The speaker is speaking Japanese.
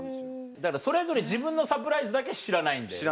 だからそれぞれ自分のサプライズだけ知らないんだよね。